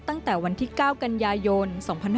ตั้งแต่วันที่๙กันยายน๒๕๕๙